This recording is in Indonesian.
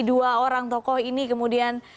dua orang tokoh ini kemudian